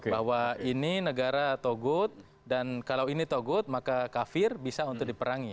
bahwa ini negara togut dan kalau ini togut maka kafir bisa untuk diperangi